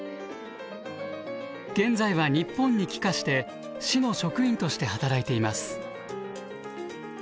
現在は日本に帰化して市の職員として働いています。